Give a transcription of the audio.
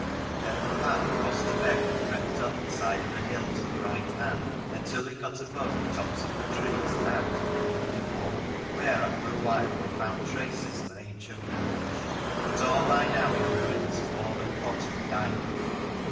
Then the path crossed the beck and crept up the side of a hill to the right hand, until it got above the tops of the trees and out on a heathy moor, where, after a while, they found traces of an ancient village, but all by now in ruins, wall and cot and dike.